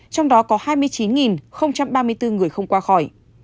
trong đó có hai mươi chín ba mươi bốn người không qua khỏi